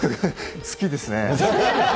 好きですね。